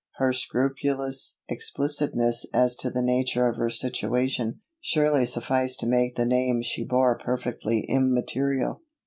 Her scrupulous explicitness as to the nature of her situation, surely sufficed to make the name she bore perfectly immaterial.